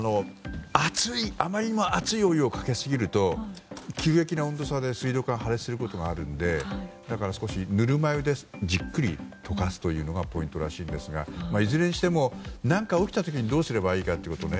あまりにも熱いお湯をかけすぎると急激な温度差で水道管が破裂することがあるのでぬるま湯でじっくり解かすというのがポイントらしいんですがいずれにしても、何か起きた時にどうすればいいかってことをね。